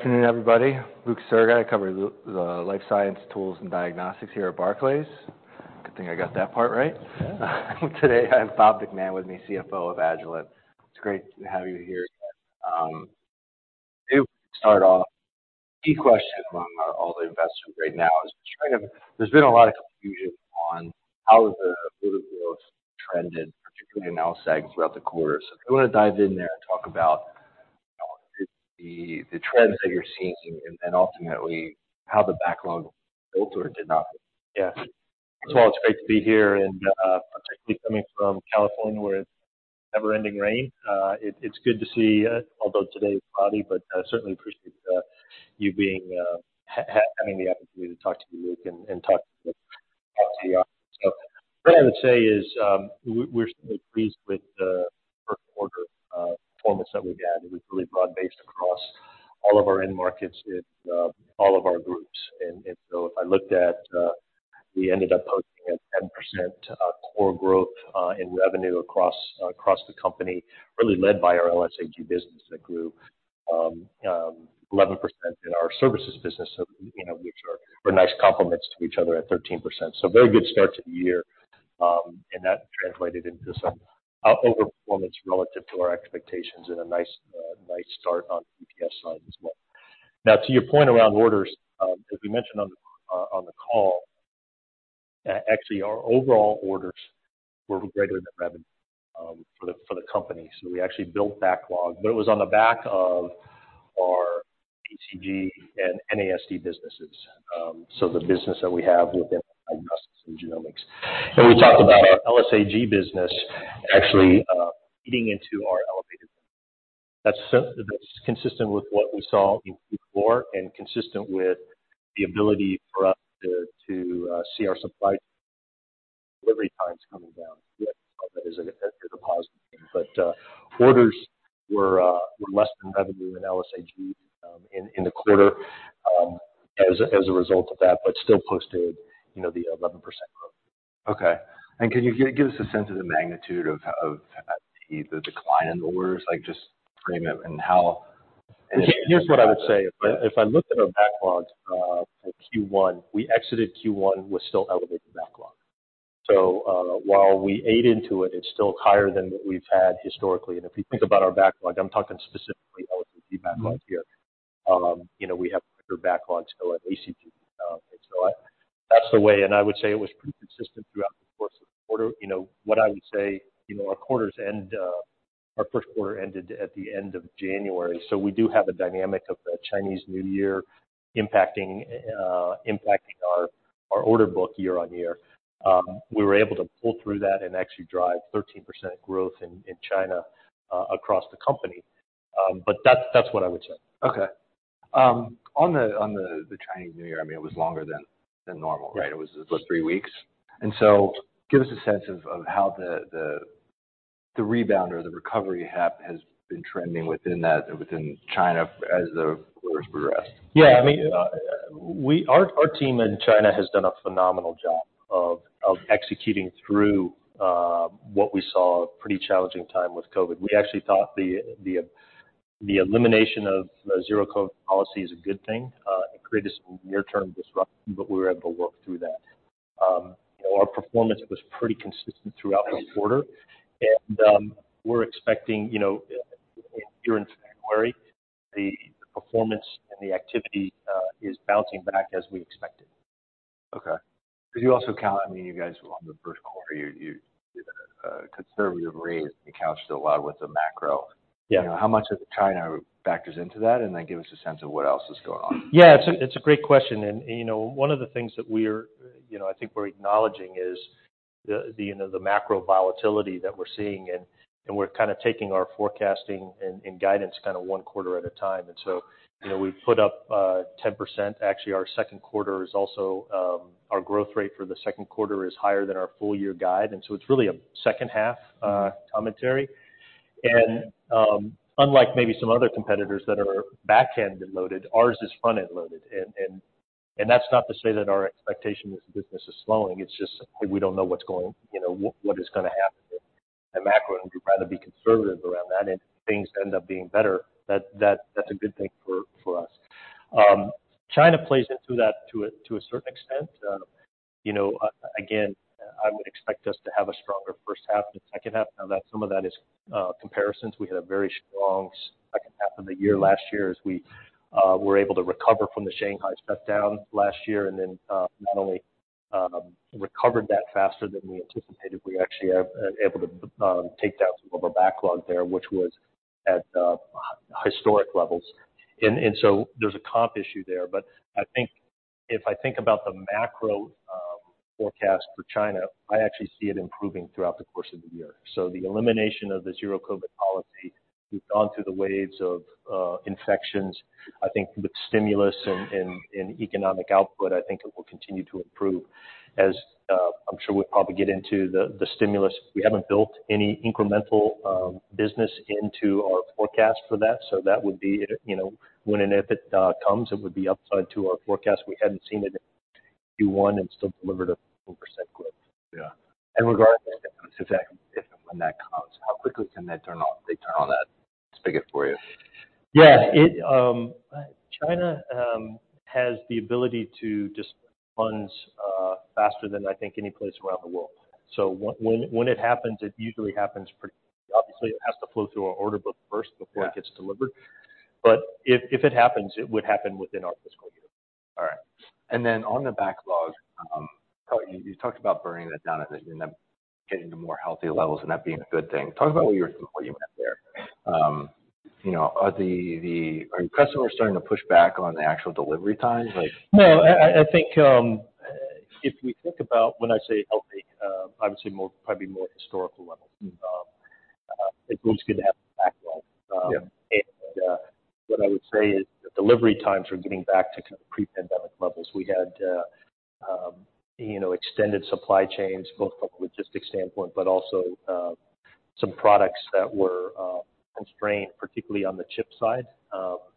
Good afternoon, everybody. Luke Sergott, I cover the life science tools and diagnostics here at Barclays. Good thing I got that part right. Today, I have Bob McMahon with me, CFO of Agilent. It's great to have you here again. To start off, the key question from all the investors right now is kind of there's been a lot of confusion on how the book of business trended, particularly in LSAG throughout the quarter. If you wanna dive in there and talk about the trends that you're seeing and ultimately how the backlog built or did not. First of all, it's great to be here, and particularly coming from California, where it's never-ending rain. It's good to see you, although today is cloudy, but certainly appreciate you having the opportunity to talk to you, Luke Sergott, and talk to you. What I would say is, we're pleased with the first quarter performance that we've had. It was really broad-based across all of our end markets in all of our groups. If I looked at, we ended up posting a 10% core growth in revenue across the company, really led by our LSAG business that grew 11% in our services business. You know, which are, were nice complements to each other at 13%. Very good start to the year, and that translated into some outperformance relative to our expectations and a nice start on the EPS side as well. Now to your point around orders, as we mentioned on the call, actually our overall orders were greater than revenue for the company. We actually built backlog, but it was on the back of our ACG and NASD businesses. The business that we have within diagnostics and genomics. We talked about our LSAG business actually eating into our elevated. That's consistent with what we saw in Q4 and consistent with the ability for us to see our supply delivery times coming down. That is a positive thing. Orders were less than revenue in LSAG in the quarter as a result of that, but still posted, you know, the 11% growth. Okay. can you give us a sense of the magnitude of the decline in orders, like just frame it and how? Here's what I would say. If I, if I looked at our backlogs for Q1, we exited Q1 with still elevated backlog. While we ate into it's still higher than what we've had historically. If you think about our backlog, I'm talking specifically LSAG backlog here, you know, we have bigger backlogs still at ACG. That's the way, and I would say it was pretty consistent throughout the course of the quarter. You know, what I would say, you know, our quarters end, our first quarter ended at the end of January, we do have a dynamic of the Chinese New Year impacting impacting our order book year on year. We were able to pull through that and actually drive 13% growth in China, across the company. That's what I would say. Okay. on the Chinese New Year, I mean, it was longer than normal, right? Yeah. It was, what, three weeks. Give us a sense of how the rebound or the recovery has been trending within that or within China as the quarters progressed. Yeah. I mean, our team in China has done a phenomenal job of executing through what we saw a pretty challenging time with COVID. We actually thought the elimination of the zero-COVID policy is a good thing. It created some near-term disruption, but we were able to work through that. Our performance was pretty consistent throughout the quarter. I see. We're expecting, you know, during February, the performance and the activity is bouncing back as we expected. Okay. You also count, I mean, you guys on the first quarter, you conservative rate accounts for a lot with the macro. Yeah. You know, how much of China factors into that? Give us a sense of what else is going on. Yeah, it's a great question. You know, one of the things that we're, you know, I think we're acknowledging is the, you know, the macro volatility that we're seeing, and we're kind of taking our forecasting and guidance kind of one quarter at a time. You know, we've put up 10%. Actually, our second quarter is also, our growth rate for the second quarter is higher than our full year guide, it's really a second half commentary. Unlike maybe some other competitors that are back-ended loaded, ours is front-end loaded. That's not to say that our expectation is the business is slowing, it's just we don't know what's going, you know, what is gonna happen in the macro, and we'd rather be conservative around that. If things end up being better, that's a good thing for us. China plays into that to a certain extent. You know, again, I would expect us to have a stronger first half than second half. Now, some of that is comparisons. We had a very strong second half of the year last year as we were able to recover from the Shanghai shutdown last year, and then not only recovered that faster than we anticipated, we actually able to take down some of our backlog there, which was at historic levels. There's a comp issue there. I think if I think about the macro forecast for China, I actually see it improving throughout the course of the year. The elimination of the zero-COVID policy, we've gone through the waves of infections. I think with stimulus and economic output, I think it will continue to improve. As I'm sure we'll probably get into the stimulus, we haven't built any incremental business into our forecast for that. That would be, you know, when and if it comes, it would be upside to our forecast. We hadn't seen it in Q1 and still delivered a full percentage growth. Regardless if that, if and when that comes, how quickly can they turn on that spigot for you? Yeah. It China has the ability to disperse funds faster than I think any place around the world. When it happens, it usually happens pretty. Obviously, it has to flow through our order book first before- Yeah.... it gets delivered. If, if it happens, it would happen within our fiscal year. All right. On the backlog, you talked about burning that down and then getting to more healthy levels and that being a good thing. Talk about what you meant there. You know, are your customers starting to push back on the actual delivery times? Like- No. I think, if we think about when I say healthy, obviously probably more historical levels. Mm-hmm. It's always good to have a backlog. Yeah. What I would say is the delivery times are getting back to kind of pre-pandemic levels. We had, you know, extended supply chains, both from a logistics standpoint, but also, some products that were, constrained, particularly on the chip side.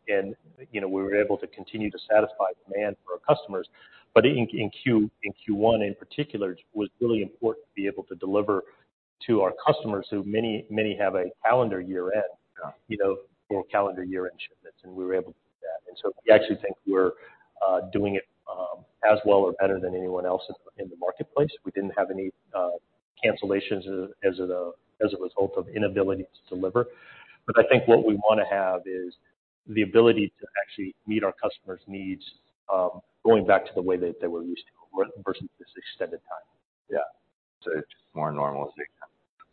You know, we were able to continue to satisfy demand for our customers. In Q1 in particular, it was really important to be able to deliver to our customers who many have a calendar year-end. Yeah. You know, for calendar year-end shipments, we were able to do that. We actually think we're doing it as well or better than anyone else in the marketplace. We didn't have any cancellations as a result of inability to deliver. I think what we wanna have is the ability to actually meet our customers' needs going back to the way that they were used to versus this extended time. Yeah. Just more normalcy.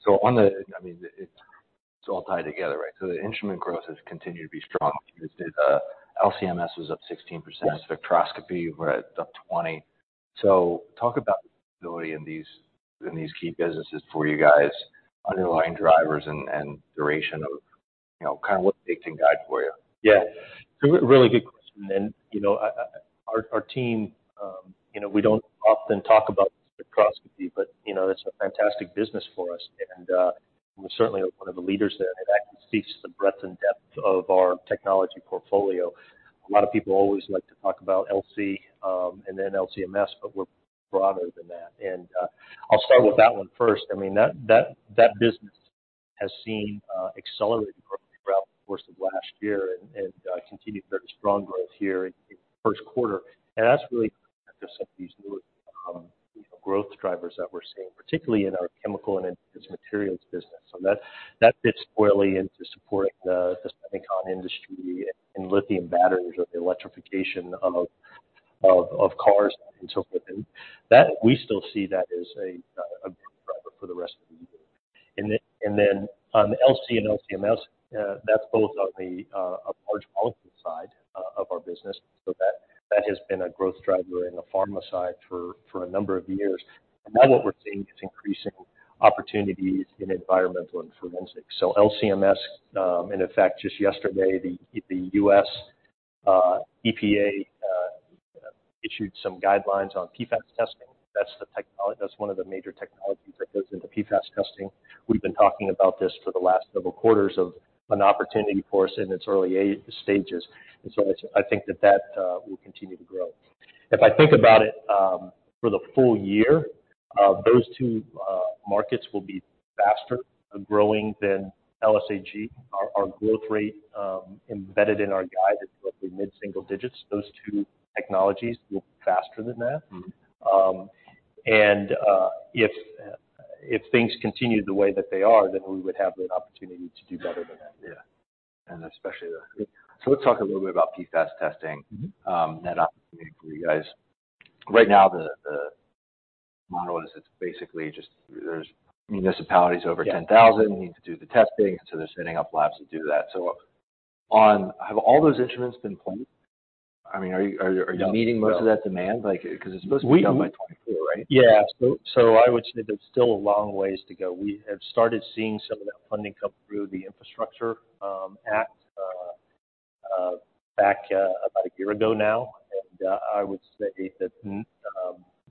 I mean, it's all tied together, right? The instrument growth has continued to be strong. You stated, LC/MS was up 16%. Yes. Spectroscopy up 20%. Talk about the ability in these key businesses for you guys, underlying drivers and duration of, you know, kind of what they can guide for you? Yeah. It's a really good question. You know, our team, you know, we don't often talk about spectroscopy, but, you know, that's a fantastic business for us. We're certainly one of the leaders there, and it actually speaks to the breadth and depth of our technology portfolio. A lot of people always like to talk about LC, and then LC/MS, but we're broader than that. I'll start with that one first. I mean, that business has seen accelerated growth throughout the course of last year and continued very strong growth here in the first quarter. That's really because of these new, you know, growth drivers that we're seeing, particularly in our chemical and advanced materials business. That, that fits squarely into supporting the semiconductor industry and lithium batteries or the electrification of cars and so forth. That, we still see that as a growth driver for the rest of the year. Then, on the LC and LC/MS, that's both on the large molecules side of our business. That, that has been a growth driver in the pharma side for a number of years. Now, what we're seeing is increasing opportunities in environmental and forensics. LC/MS, and in fact, just yesterday, the U.S. EPA issued some guidelines on PFAS testing. That's one of the major technologies that goes into PFAS testing. We've been talking about this for the last several quarters of an opportunity for us in its early stages. I think that that will continue to grow. If I think about it, for the full year, those two markets will be faster growing than LSAG. Our growth rate embedded in our guide is roughly mid-single digits. Those two technologies will be faster than that. Mm-hmm. If things continue the way that they are, then we would have the opportunity to do better than that. Yeah. especially so let's talk a little bit about PFAS testing. Mm-hmm. That opportunity for you guys. Right now, the model is it's basically just there's municipalities over 10,000 need to do the testing. They're setting up labs to do that. Have all those instruments been deployed? I mean, are you meeting most of that demand? Like, 'cause it's supposed to be done by 2024, right? Yeah. I would say there's still a long ways to go. We have started seeing some of that funding come through the Infrastructure Act back about a year ago now. I would say that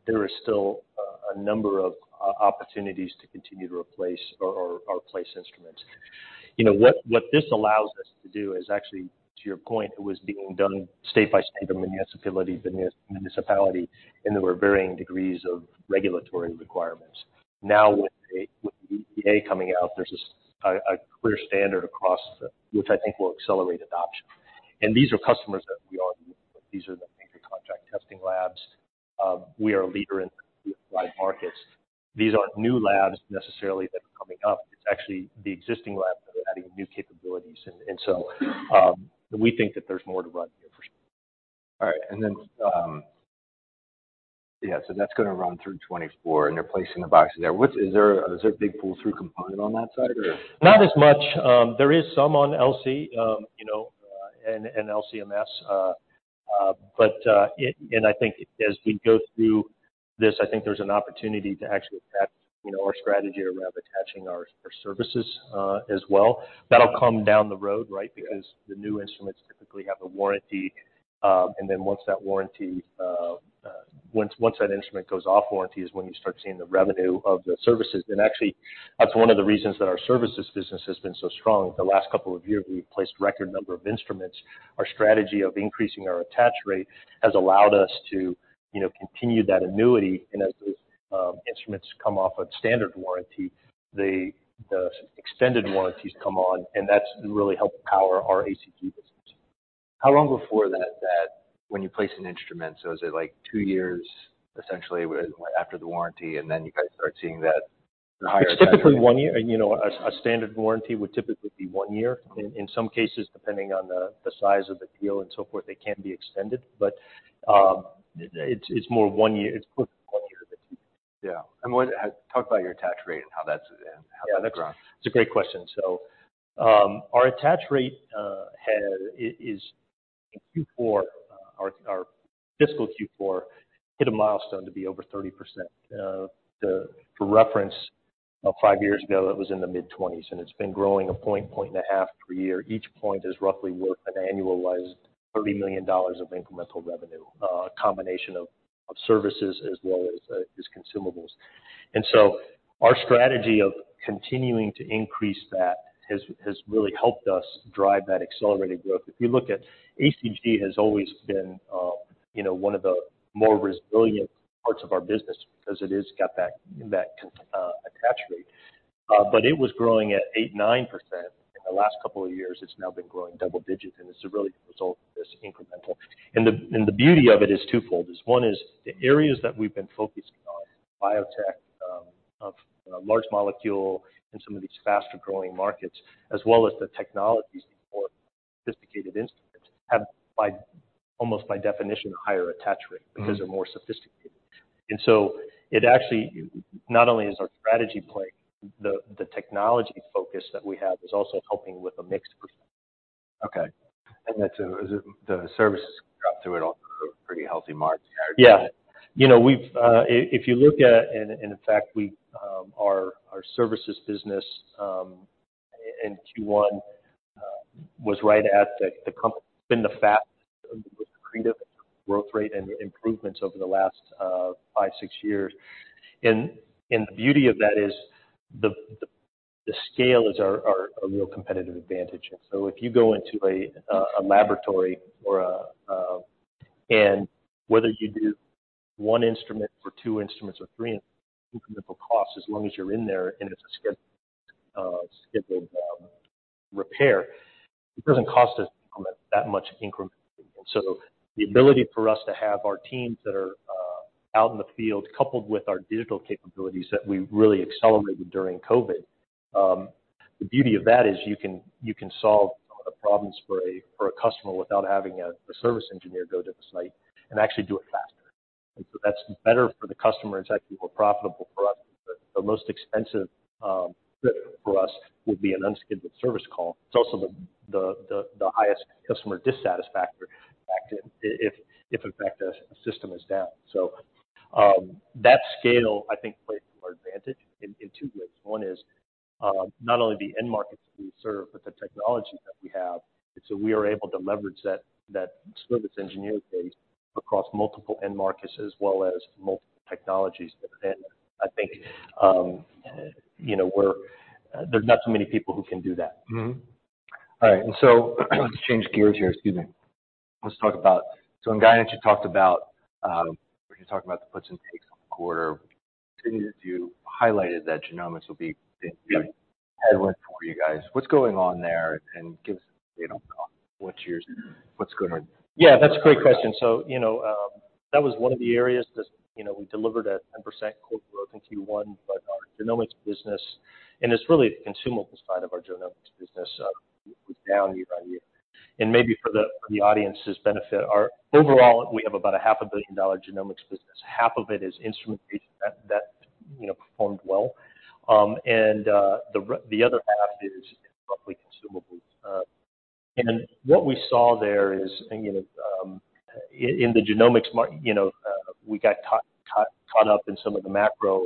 there is still a number of opportunities to continue to replace or place instruments. You know, what this allows us to do is actually, to your point, it was being done state by state or municipality to municipality, and there were varying degrees of regulatory requirements. Now, with the, with the EPA coming out, there's a clear standard across which I think will accelerate adoption. These are customers that we already work with. These are the major contract testing labs. We are a leader in those applied markets. These aren't new labs necessarily that are coming up. It's actually the existing labs that are adding new capabilities. We think that there's more to run here for sure. All right. Yeah, that's gonna run through 2024, and they're placing the boxes there. Is there a big pull-through component on that side or? Not as much. There is some on LC, you know, and LC/MS. I think as we go through this, I think there's an opportunity to actually attach, you know, our strategy around attaching our services, as well. That'll come down the road, right? Yeah. Because the new instruments typically have a warranty. Once that instrument goes off warranty is when you start seeing the revenue of the services. Actually, that's one of the reasons that our services business has been so strong the last couple of years. We've placed record number of instruments. Our strategy of increasing our attach rate has allowed us to, you know, continue that annuity and as those instruments come off of standard warranty, the extended warranties come on, and that's really helped power our ACG business. How long before that when you place an instrument, is it like two years essentially where-- after the warranty, and then you guys start seeing that higher- It's typically one year. You know, a standard warranty would typically be one year. In some cases, depending on the size of the deal and so forth, they can be extended, but it's more one year. It's quick, one year typically. Yeah. Talk about your attach rate and how that's gone. It's a great question. Our attach rate is in Q4, our fiscal Q4 hit a milestone to be over 30%. For reference, five years ago, it was in the mid-20s, and it's been growing a point and a half per year. Each point is roughly worth an annualized $30 million of incremental revenue, a combination of services as well as consumables. Our strategy of continuing to increase that really helped us drive that accelerated growth. If you look at ACG has always been, you know, one of the more resilient parts of our business because it is got that attach rate. It was growing at 8%, 9%. In the last couple of years, it's now been growing double digits, the beauty of it is twofold, is one is the areas that we've been focusing on, biotech, of, you know, large molecule and some of these faster-growing markets, as well as the technologies, the more sophisticated instruments have almost by definition, a higher attach rate because they're more sophisticated. It actually, not only is our strategy playing, the technology focus that we have is also helping with the mix profile. Okay. That's the services drop through it all are pretty healthy margins. Yeah. You know, we've, if you look at it, in fact we, our services business in Q1 was right at the been the fastest with accretive growth rate and improvements over the last five, six years. The beauty of that is the, the scale is our a real competitive advantage. If you go into a laboratory or whether you do one instrument or two instruments or three, incremental costs as long as you're in there and it's a scheduled repair, it doesn't cost us that much incrementally. The ability for us to have our teams that are out in the field coupled with our digital capabilities that we really accelerated during COVID, the beauty of that is you can solve some of the problems for a customer without having a service engineer go to the site and actually do it faster. That's better for the customer. It's actually more profitable for us. The most expensive trip for us would be an unscheduled service call. It's also the highest customer dissatisfactor, in fact, if in fact a system is down. That scale, I think, plays to our advantage in two ways. One is not only the end markets we serve, but the technology that we have. We are able to leverage that service engineer base across multiple end markets as well as multiple technologies. I think, you know, there's not too many people who can do that. All right. To change gears here, excuse me. Let's talk about. In guidance, you talked about, when you talked about the puts and takes on the quarter, you continued to highlighted that genomics will be- Yeah. ...headwind for you guys. What's going on there? Give us, you know, what's your. That's a great question. You know, that was one of the areas that, you know, we delivered at 10% quarter growth in Q1, but our genomics business, and it's really the consumables side of our genomics business, was down year-on-year. Maybe for the, for the audience's benefit, overall, we have about a half a billion dollar genomics business. Half of it is instrumentation that, you know, performed well. The other half is roughly consumables. What we saw there is, you know, in the genomics mark-- you know, we got caught up in some of the macro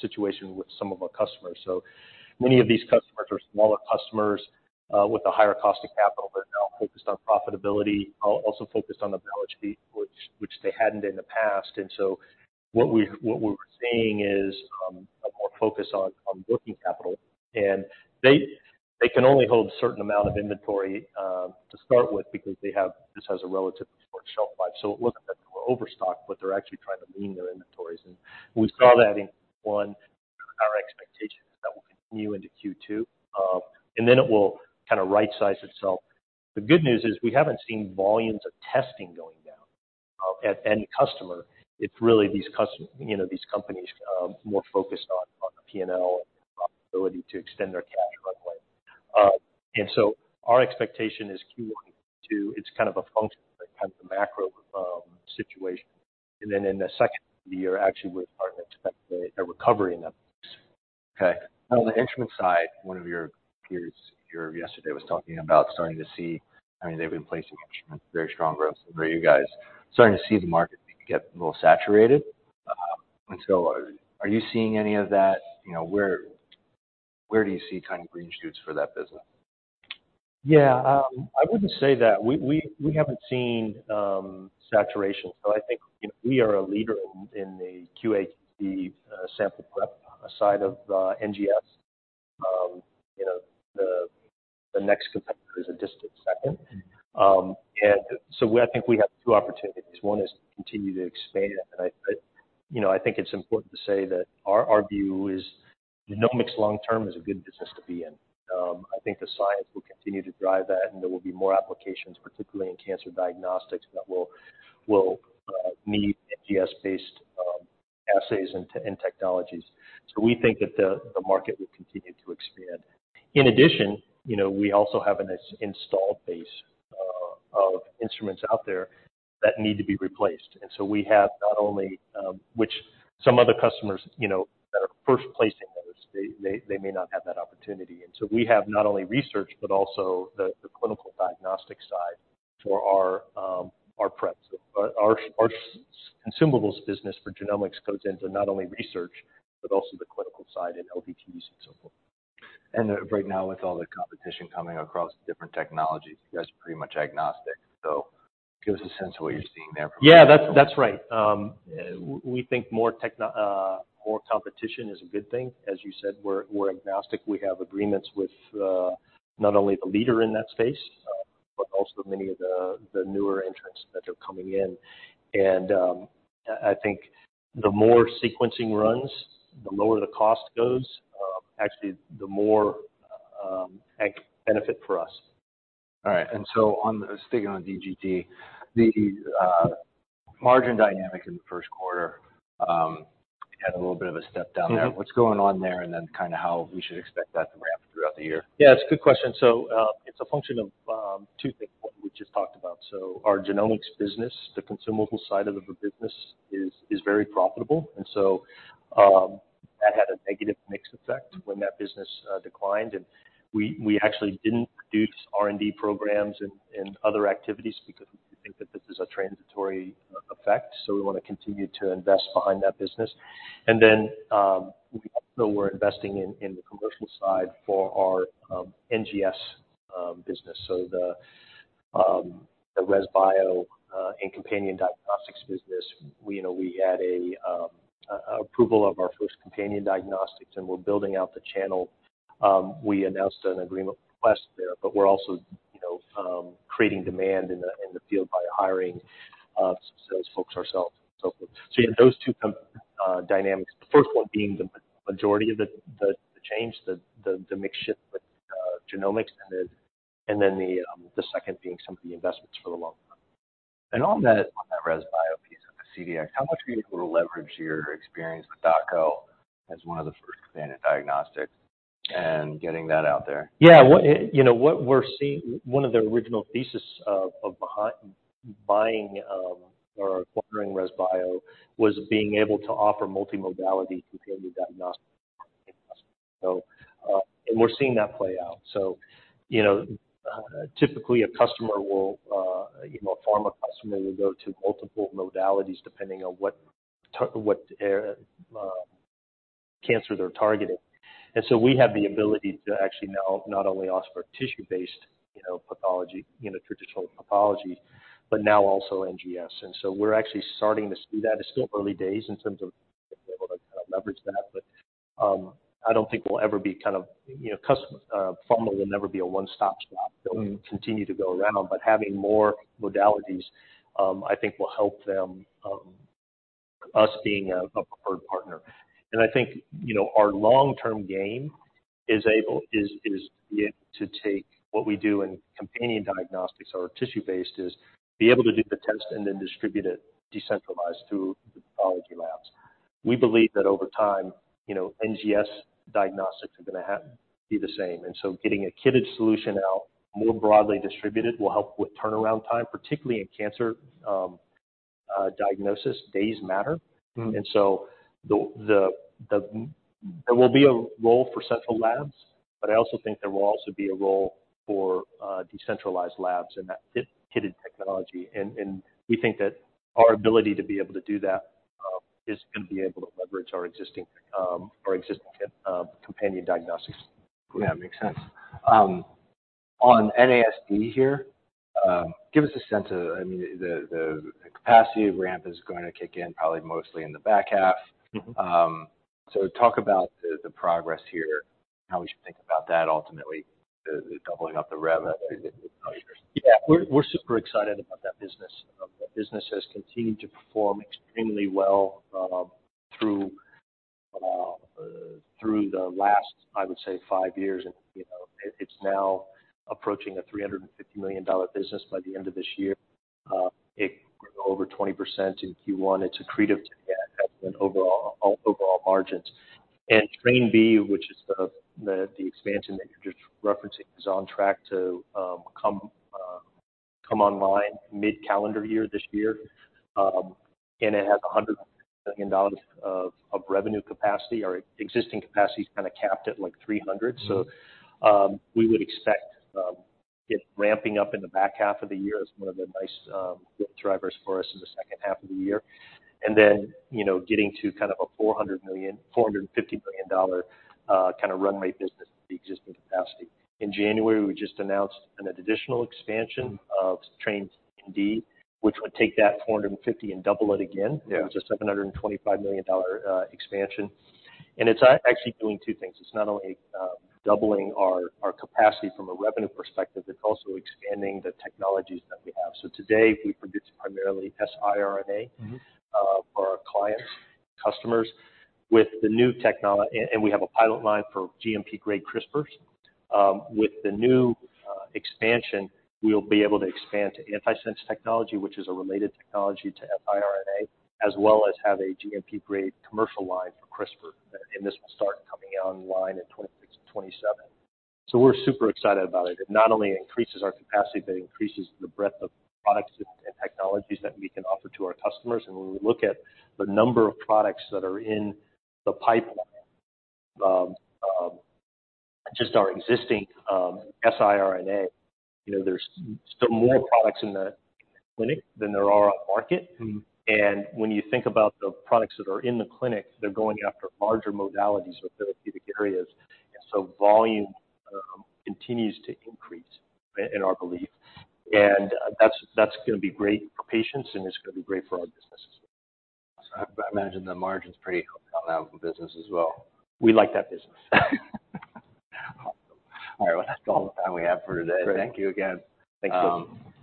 situation with some of our customers. Many of these customers are smaller customers, with a higher cost of capital, but now focused on profitability, also focused on the balance sheet, which they hadn't in the past. What we're seeing is a more focus on working capital. They can only hold a certain amount of inventory to start with because this has a relatively short shelf life. It wasn't that they were overstocked, but they're actually trying to lean their inventories. We saw that in one, our expectations that will continue into Q2. It will kind of right-size itself. The good news is we haven't seen volumes of testing going down at any customer. It's really these, you know, these companies more focused on the P&L and profitability to extend their cash runway. Our expectation is Q1, Q2, it's kind of a function of kind of the macro, situation. In the second half of the year, actually we're starting to expect a recovery in that space. Okay. On the instrument side, one of your peers here yesterday was talking about I mean, they've been placing instruments, very strong growth. Are you guys starting to see the market maybe get a little saturated? Are you seeing any of that? You know, where do you see kind of green shoots for that business? I wouldn't say that. We haven't seen saturation. I think, you know, we are a leader in the QA/QC sample prep side of NGS. The next competitor is a distant second. I think we have two opportunities. One is to continue to expand. I, you know, I think it's important to say that our view is genomics long term is a good business to be in. I think the science will continue to drive that, and there will be more applications, particularly in cancer diagnostics, that will need NGS-based assays and technologies. We think that the market will continue to expand. In addition, you know, we also have a nice installed base of instruments out there that need to be replaced. We have not only, Which some other customers, you know, that are first placing orders, they may not have that opportunity. We have not only research but also the clinical diagnostic side for our prep. Our consumables business for genomics goes into not only research, but also the clinical side in LDTs and so forth. Right now, with all the competition coming across different technologies, you guys are pretty much agnostic. Give us a sense of what you're seeing there from a technology-? Yeah. That's right. We think more competition is a good thing. As you said, we're agnostic. We have agreements with not only the leader in that space, but also many of the newer entrants that are coming in. I think the more sequencing runs, the lower the cost goes, actually, the more benefit for us. All right. On the sticking on DGG, the margin dynamic in the first quarter had a little bit of a step down there. Mm-hmm. What's going on there, and then kinda how we should expect that to ramp throughout the year? Yeah, it's a good question. It's a function of two things, what we just talked about. Our genomics business, the consumable side of the business is very profitable. That had a negative mix effect when that business declined. We actually didn't reduce R&D programs and other activities because we think that this is a transitory effect, so we wanna continue to invest behind that business. We also were investing in the commercial side for our NGS business. The Resbio and companion diagnostics business, we, you know, had a approval of our first companion diagnostics, and we're building out the channel. We announced an agreement with Quest there. We're also, you know, creating demand in the field by hiring sales folks ourselves and so forth. Yeah, those two dynamics. The first one being the majority of the change, the mix shift with genomics and the. Then the second being some of the investments for the long term. On that Resbio piece, of the CDX, how much were you able to leverage your experience with Dako as one of the first companion diagnostics and getting that out there? Yeah. One of the original thesis of, buying, or acquiring Resbio was being able to offer multimodality companion diagnostics to customers. We're seeing that play out. You know, typically a customer will, you know, a pharma customer will go to multiple modalities depending on what what cancer they're targeting. We have the ability to actually now not only offer tissue-based, you know, pathology, you know, traditional pathology, but now also NGS. We're actually starting to see that. It's still early days in terms of being able to kind of leverage that, but, I don't think we'll ever be kind of, you know, pharma will never be a one-stop shop. Mm-hmm. They'll continue to go around. Having more modalities, I think will help them, us being a preferred partner. I think, you know, our long-term game is being able to take what we do in companion diagnostics or tissue-based is be able to do the test and then distribute it decentralized through the pathology labs. We believe that over time, you know, NGS diagnostics are gonna be the same. So getting a kitted solution out more broadly distributed will help with turnaround time, particularly in cancer, diagnosis, days matter. Mm. The there will be a role for central labs, but I also think there will also be a role for decentralized labs and that kit-kitted technology. We think that our ability to be able to do that, is gonna be able to leverage our existing, our existing kit, companion diagnostics. Yeah. Makes sense. On NASD here, give us a sense of, I mean, the capacity ramp is gonna kick in probably mostly in the back half. Mm-hmm. Talk about the progress here, how we should think about that ultimately, doubling up the revenue. Yeah. We're super excited about that business. That business has continued to perform extremely well through the last, I would say, five years. You know, it's now approaching a $350 million business by the end of this year. It grew over 20% in Q1. It's accretive to the overall margins. Train B, which is the expansion that you're just referencing, is on track to come online mid-calendar year this year. It has $100 million of revenue capacity. Our existing capacity is kinda capped at, like, $300 million. Mm. We would expect it ramping up in the back half of the year as one of the nice growth drivers for us in the second half of the year. You know, getting to kind of a $400 million, $450 million kinda runway business with the existing capacity. In January, we just announced an additional expansion of Trains C and D, which would take that $450 million and double it again. Yeah. Which is $725 million expansion. It's actually doing two things. It's not only doubling our capacity from a revenue perspective, it's also expanding the technologies that we have. Today we produce primarily siRNA- Mm-hmm.... for our clients, customers. With the new technology. We have a pilot line for GMP-grade CRISPRs. With the new expansion, we'll be able to expand to antisense technology, which is a related technology to siRNA, as well as have a GMP-grade commercial line for CRISPR. This will start coming online in 2026, 2027. We're super excited about it. It not only increases our capacity, but it increases the breadth of products and technologies that we can offer to our customers. When we look at the number of products that are in the pipeline, just our existing siRNA, you know, there's still more products in the clinic than there are on market. Mm. When you think about the products that are in the clinic, they're going after larger modalities or therapeutic areas. Volume continues to increase in our belief. That's gonna be great for patients, and it's gonna be great for our business as well. I imagine the margin's pretty healthy on that business as well. We like that business. Awesome. All right. Well, that's all the time we have for today. Great. Thank you again. Thanks, Luke. We'll see you.